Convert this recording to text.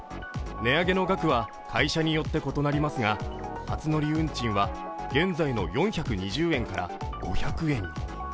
値上げの額は会社によって異なりますが、初乗り運賃は現在の４２０円から５００円に。